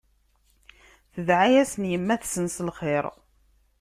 Tedɛa-yasen yemma-tsen s lxir.